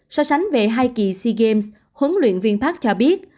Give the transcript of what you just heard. so sánh về hai kỳ sea games huấn luyện viên park cho biết